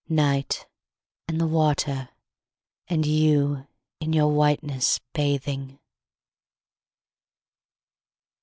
Night, and the water, and you in your whiteness, bathing!